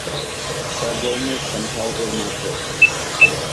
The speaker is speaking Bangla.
তার জন্মস্থান ভারতের মাদ্রাজ।